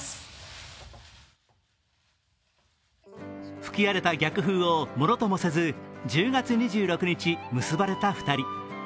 吹き荒れた逆風をものともせず１０月２６日、結ばれた２人。